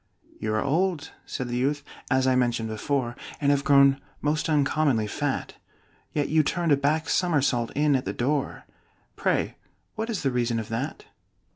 "You are old," said the youth, "as I mentioned before, And have grown most uncommonly fat; Yet you turned a back somersault in at the door Pray what is the reason of that?"